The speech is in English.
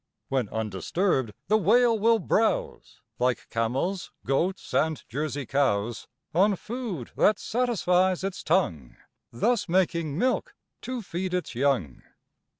When undisturbed, the Whale will browse Like camels, goats, and Jersey cows, On food that satisfies its tongue, Thus making milk to feed its young.